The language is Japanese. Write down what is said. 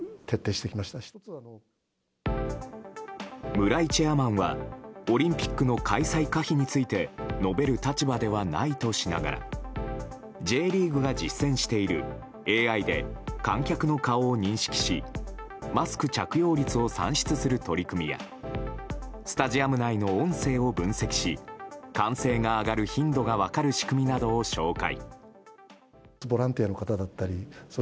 村井チェアマンはオリンピックの開催可否について述べる立場ではないとしながらＪリーグが実践しているＡＩで観客の顔を認識しマスク着用率を算出する取り組みやスタジアム内の音声を分析し歓声が上がる頻度が分かる仕組みなどを紹介。